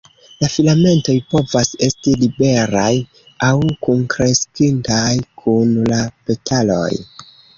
La filamentoj povas esti liberaj aŭ kunkreskintaj kun la petaloj.